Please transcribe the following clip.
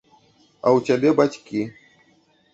А ў цябе бацькі.